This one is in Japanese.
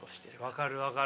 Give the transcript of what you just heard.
分かる分かる。